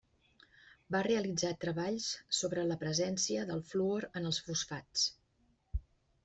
Va realitzar treballs sobre la presència de fluor en els fosfats.